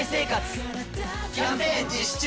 キャンペーン実施中！